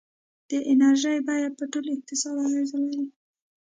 د انرژۍ بیه په ټول اقتصاد اغېزه لري.